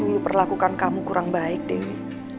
dulu perlakukan kamu kurang baik dewi